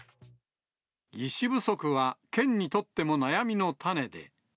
医師不足は県にとっても悩みの種で。